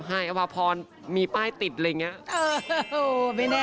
อภาพรมีป้ายติดอะไรอย่างนี้